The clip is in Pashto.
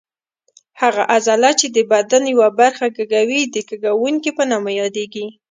هغه عضله چې د بدن یوه برخه کږوي د کږوونکې په نامه یادېږي.